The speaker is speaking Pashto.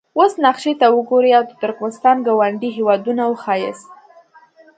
اوس نقشې ته وګورئ او د ترکمنستان ګاونډي هیوادونه وښایاست.